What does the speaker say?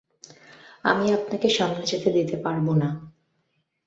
আমি আপনাকে সামনে যেতে দিতে পারবো না।